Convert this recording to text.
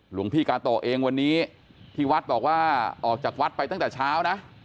หลวงพี่กาโตเองวันนี้ที่วัดบอกว่าออกจากวัดไปตั้งแต่เช้านะ